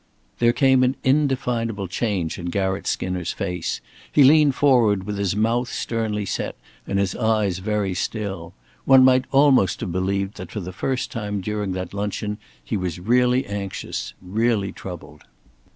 There came an indefinable change in Garratt Skinner's face. He leaned forward with his mouth sternly set and his eyes very still. One might almost have believed that for the first time during that luncheon he was really anxious, really troubled.